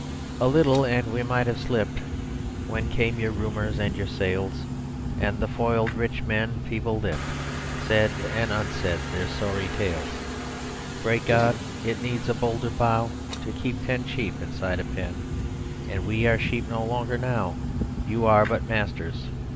A little; and we might have slipped When came your rumours and your sales And the foiled rich men, feeble lipped, Said and unsaid their sorry tales; Great God! It needs a bolder brow To keep ten sheep inside a pen, And we are sheep no longer now; You are but Masters.